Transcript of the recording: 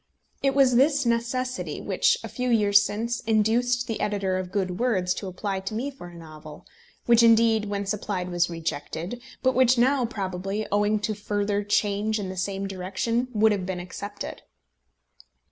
It was this necessity which, a few years since, induced the editor of Good Words to apply to me for a novel, which, indeed, when supplied was rejected, but which now, probably, owing to further change in the same direction, would have been accepted.